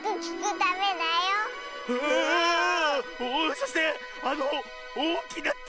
そしてあのおおきな「て」！